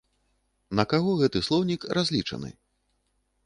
На каго гэты слоўнік разлічаны?